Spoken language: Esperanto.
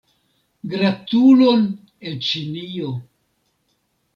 Gratulon el Ĉinio!